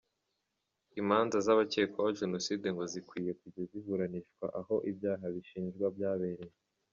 Imanza z’abakekwaho Jenoside ngo zikwiye kujya ziburanishirizwa aho ibyaha bashinjwa byabereye.